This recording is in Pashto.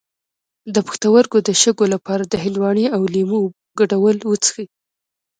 د پښتورګو د شګو لپاره د هندواڼې او لیمو ګډول وڅښئ